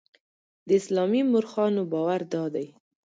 د اسلامي مورخانو باور دادی.